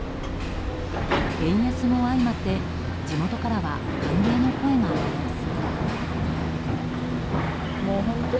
円安も相まって、地元からは歓迎の声が上がります。